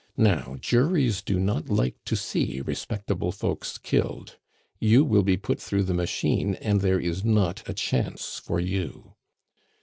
Now, juries do not like to see respectable folks killed. You will be put through the machine, and there is not a chance for you."